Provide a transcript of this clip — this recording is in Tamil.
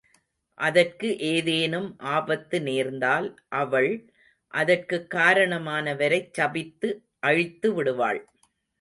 அதற்கு ஏதேனும் ஆபத்து நேர்ந்தால், அவள் அதற்குக் காரணமானவரைச் சபித்து அழித்துவிடுவாள்.